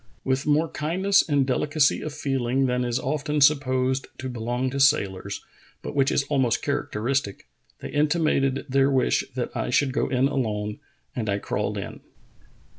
With more kindness and delicacy of feeling than is often supposed to belong to sailors, but which is almost characteristic, they intim ated their wish that I should go in alone, and I crawled in.